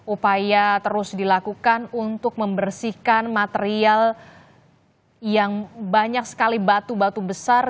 upaya terus dilakukan untuk membersihkan material yang banyak sekali batu batu besar